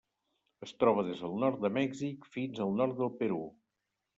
Es troba des del nord de Mèxic fins al nord del Perú.